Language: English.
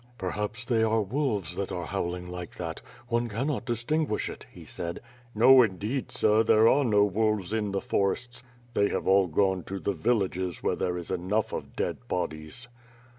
"Perhaps they are wolves that are howling like that. One cannot distinguish it," he said. "No indeed, sir, there are no wolves in the forests. They have all gone to the villages where there is enough of dead bodies."